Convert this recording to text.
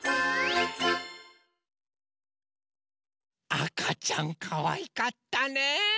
あかちゃんかわいかったね。